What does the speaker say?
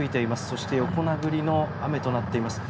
そして、横殴りの雨となっています。